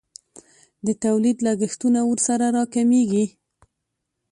د تولید لګښتونه ورسره راکمیږي.